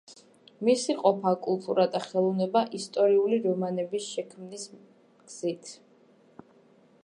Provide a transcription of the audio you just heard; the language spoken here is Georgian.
მისი ყოფა, კულტურა და ხელოვნება, ისტორიული რომანების შექმნის გზით.